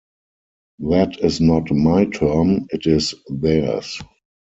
That is not my term, it is theirs.